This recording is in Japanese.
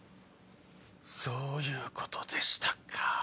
そういうことでしたか。